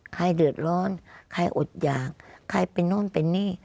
ใครเดือดร้อนใครอดหยากใครเป็นโน่นเป็นนี่